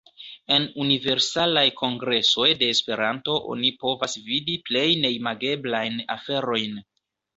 En Universalaj Kongresoj de Esperanto oni povas vidi plej neimageblajn aferojn.